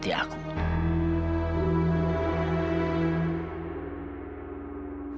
jodi apa kamu mau ngerti aku